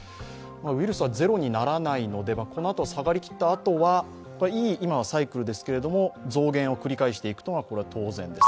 ウイルスはゼロにならないのでこのあと下がりきったあとは今はいいサイクルですけど増減を繰り返すのは当然です。